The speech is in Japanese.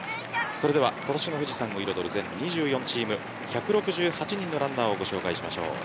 それでは今年の富士山の見どころ全２４チーム１６８人のランナーをご紹介します。